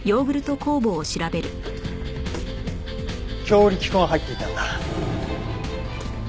強力粉が入っていたんだ。